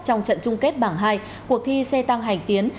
trong trận chung kết bảng hai cuộc thi xe tăng hành tiến